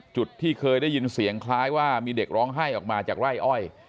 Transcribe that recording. ที่เคยได้ยินเสียงคล้ายว่ามีเด็กร้องไห้ออกมาจากไร่อ้อย